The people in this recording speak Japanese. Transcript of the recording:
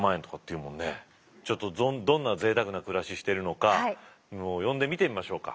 ちょっとどんなぜいたくな暮らししてるのかもう呼んで見てみましょうか？